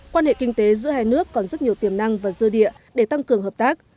quan hệ kinh tế giữa hai nước còn rất nhiều tiềm năng và dư địa để tăng cường hợp tác